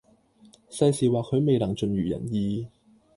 世事或許未能盡如人意